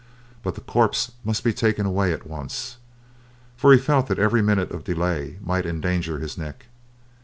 But the corpse must be taken away at once, for he felt that every minute of delay might endanger his neck.